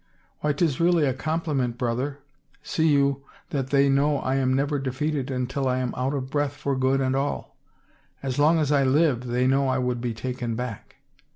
" Why 'tis really a compliment, brother. See you, that they know I am never defeated till I am out of breath for good and all. As long as I live they know I would be taken back."